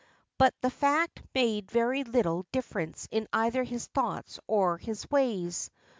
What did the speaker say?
But the fact made very little difference in either his thoughts or his ways.